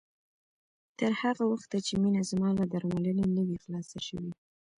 تر هغه وخته چې مينه زما له درملنې نه وي خلاصه شوې